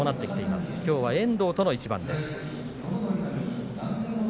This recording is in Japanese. きょうは遠藤との一番です。